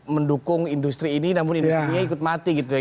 mendukung industri ini namun industri nya ikut mati gitu ya